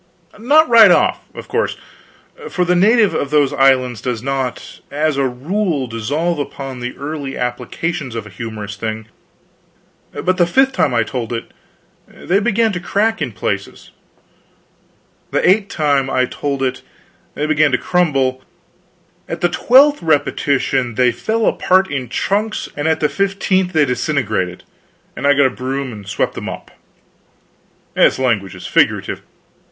Not right off, of course, for the native of those islands does not, as a rule, dissolve upon the early applications of a humorous thing; but the fifth time I told it, they began to crack in places; the eight time I told it, they began to crumble; at the twelfth repetition they fell apart in chunks; and at the fifteenth they disintegrated, and I got a broom and swept them up. This language is figurative.